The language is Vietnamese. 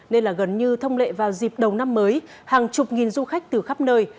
nên là gần như thông lệ vào dịp đầu năm mới hàng chục nghìn du khách từ khắp nơi